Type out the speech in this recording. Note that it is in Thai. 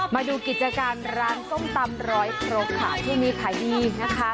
มาดูกิจการร้านส้มตำรอยตกค่ะช่วงนี้แผ่งอีกนะคะ